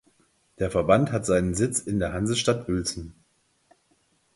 Der Verband hat seinen Sitz in der Hansestadt Uelzen.